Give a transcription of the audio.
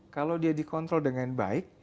kalau dia dikontrol dengan baik